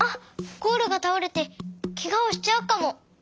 ゴールがたおれてケガをしちゃうかも。